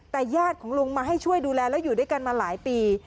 แต่ญาติของลุงมาให้ช่วยดูแลแล้วอยู่ด้วยกันมาหลายปี